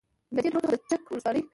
. له دې درو څخه د چک ولسوالۍ